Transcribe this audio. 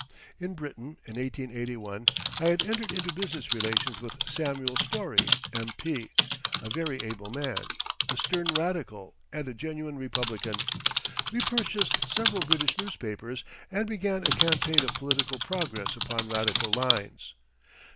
In Britain, in 1881, I had entered into business relations with Samuel Storey, M.P., a very able man, a stern radical, and a genuine republican. We purchased several British newspapers and began a campaign of political progress upon radical lines.